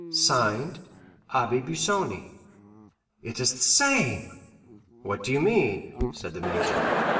"(Signed) 'Abbé Busoni.'" "It is the same." "What do you mean?" said the major.